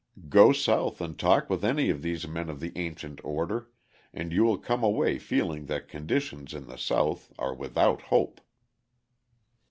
Go South and talk with any of these men of the ancient order and you will come away feeling that conditions in the South are without hope.